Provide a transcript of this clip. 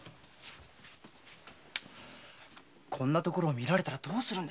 こんなところを見られたらどうするんです。